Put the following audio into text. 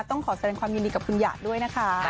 ต้องขอแสดงความยินดีกับคุณหยาดด้วยนะคะ